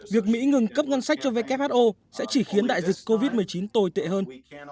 việc mỹ ngừng cấp ngân sách cho who sẽ chỉ khiến đại dịch covid một mươi chín tồi tệ hơn